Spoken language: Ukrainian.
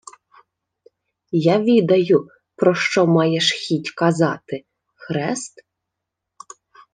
— Я відаю, про що маєш хіть казати: хрест?